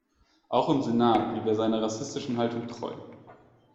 Auch im Senat blieb er seiner rassistischen Haltung treu.